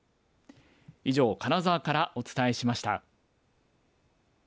以上、金沢からお伝えしました。